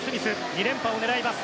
２連覇を狙います。